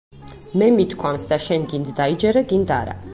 მე მითქვამს და, შენ გინდ დაიჯერე, გინდ არა!